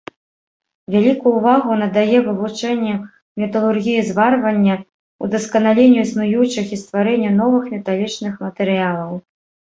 Вялікую ўвагу надае вывучэнню металургіі зварвання, удасканаленню існуючых і стварэнню новых металічных матэрыялаў.